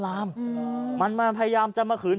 ชาวบ้านญาติโปรดแค้นไปดูภาพบรรยากาศขณะ